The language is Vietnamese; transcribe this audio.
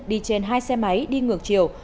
đi trên hai xe máy đi ngược chiều